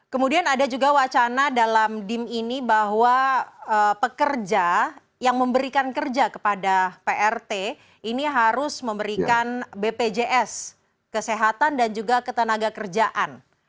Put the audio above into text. kemudian ada juga wacana dalam dim ini bahwa pekerja yang memberikan kerja kepada prt ini harus memberikan bpjs kesehatan dan juga ketenaga kerjaan